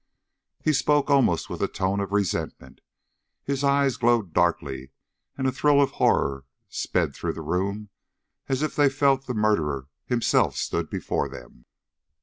He spoke almost with a tone of resentment; his eyes glowed darkly, and a thrill of horror sped through the room as if they felt that the murderer himself stood before them.